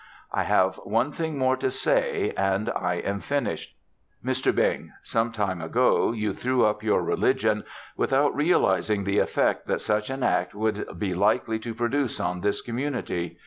"I have one thing more to say and I am finished. Mr. Bing, some time ago you threw up your religion without realizing the effect that such an act would be likely to produce on this community.